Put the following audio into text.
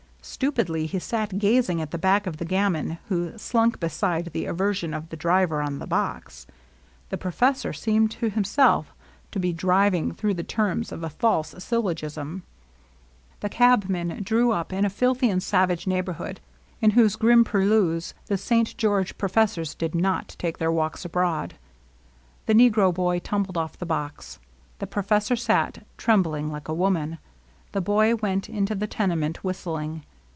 Stupidly he sat gaz ing at the back of the gamin who slunk beside the aversion of the driver on the box. The professor seemed to himself, to be driving through the terms of a false syllogism. The cabman drew up in a filthy and savage neigh borhood, in whose grim purKeus the St. George pro fessors did not take their walks abroad. The negro boy tumbled off the box. The professor sat, trembling like a woman. The boy went into the tenement, whistling.